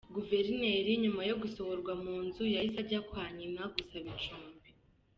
Guvnor nyuma yo gusohorwa mu nzu, yahise ajya kwa nyina gusaba icumbi.